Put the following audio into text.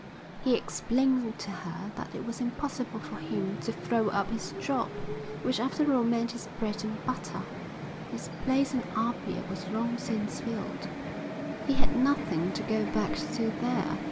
He explained to her that it was impossible for him to throw up his job, which after all meant his bread and butter. His place in Apia was long since filled. He had nothing to go back to there.